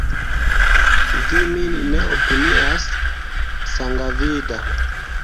Vi min ne opinias sangavida!